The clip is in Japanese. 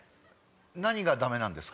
何がダメなんですか？